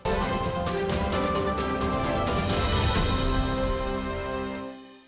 keluarga yang lain